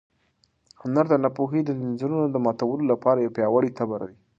هنر د ناپوهۍ د ځنځیرونو د ماتولو لپاره یو پیاوړی تبر دی.